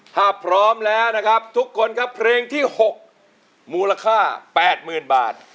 ถ้าพร้อมแล้วนะครับทุกคนครับเพลงที่๖มูลค่า๘๐๐๐บาท